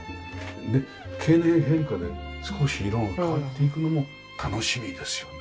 経年変化で少し色が変わっていくのも楽しみですよね。